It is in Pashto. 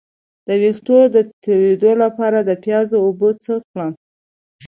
د ویښتو تویدو لپاره د پیاز اوبه څه کړم؟